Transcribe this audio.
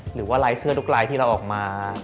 หรือว่าลายเสื้อทุกลายที่เราออกมา